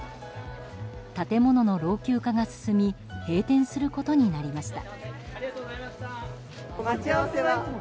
建物の老朽化が進み閉店することになりました。